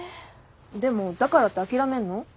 でもだからって諦めるの？